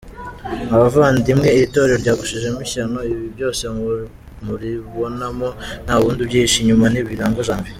mwabavandimwe iri torero ryagushijem ishyano ibibyose muribonamo ntawundi ubyihishe inyuma ni Birahagwa janvier.